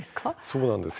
そうなんです。